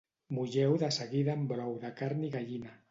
Mulleu de seguida amb brou de carn i gallina